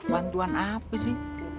bantuan apa sih